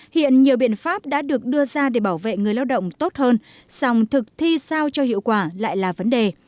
hiện nhiều biện pháp đã được đưa ra để bảo vệ người lao động tốt hơn song thực thi sao cho hiệu quả lại là vấn đề